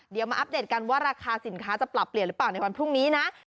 เดี๋ยวมาอัปเดตกันว่าราคาสินค้าจะปรับเปลี่ยนหรือเปล่าในวันพรุ่งนี้นะ